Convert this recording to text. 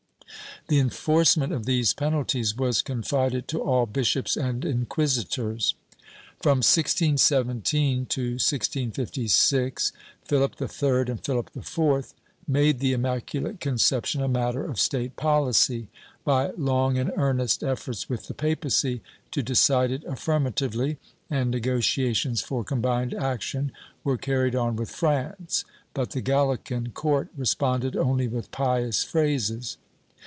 The enforcement of these penalties was confided to all l^ishops and inquisitors. From 1617 to 1656, Philip III and Philip IV made the Immacu late Conception a matter of state policy, by long and earnest efforts with the papacy to decide it afhrmatively, and negotiations for combined action were carried on with France, but the Galilean court responded only with pious phrases.